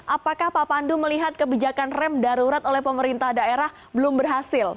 apakah pak pandu melihat kebijakan rem darurat oleh pemerintah daerah belum berhasil